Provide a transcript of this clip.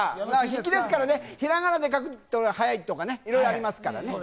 筆記ですからねひらがなで書くと早いとかいろいろありますからね。